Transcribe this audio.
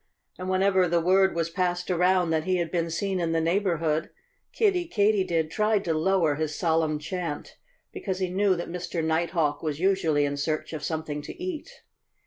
And whenever the word was passed around that he had been seen in the neighborhood, Kiddie Katydid tried to lower his solemn chant, because he knew that Mr. Nighthawk was usually in search of something to eat.